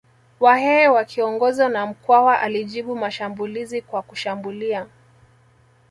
Wahehe wakiongozwa na Mkwawa alijibu mashambulizi kwa kushambulia